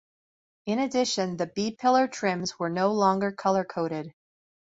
In addition, the B-pillar trims were no longer colour-coded.